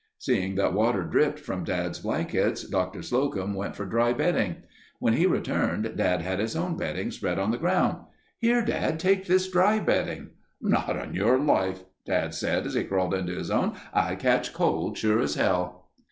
Seeing that water dripped from Dad's blankets, Dr. Slocum went for dry bedding. When he returned, Dad had his own bedding spread on the ground. "Here, Dad—take this dry bedding...." "Not on your life," Dad said as he crawled into his own. "I'd catch cold, sure as hell."